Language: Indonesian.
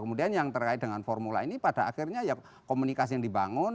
kemudian yang terkait dengan formula ini pada akhirnya ya komunikasi yang dibangun